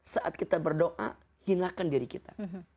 saat kita berdoa hinakan diri kita